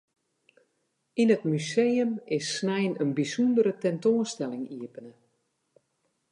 Yn it museum is snein in bysûndere tentoanstelling iepene.